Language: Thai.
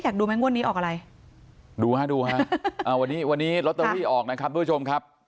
อยากดูแม่งวดนี้ออกอะไรดูครับวันนี้ลอตเตอรี่ออกนะครับ